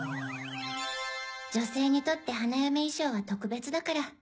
女性にとって花嫁衣装は特別だから。